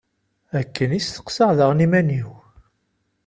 Akken i steqsaɣ daɣen iman-iw.